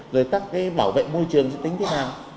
rồi các cái bảo vệ môi trường sẽ tính thế nào